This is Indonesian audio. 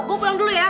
gue pulang dulu ya